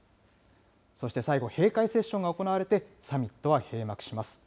そして最後、閉会セッションが行われてサミットは閉幕します。